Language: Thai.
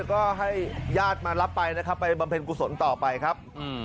ก็ให้ญาติมารับไปนะครับไปบำเพ็ญกุศลต่อไปครับ